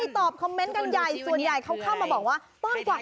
ทุกเรื่อง